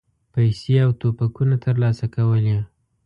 پیسې او توپکونه ترلاسه کولې.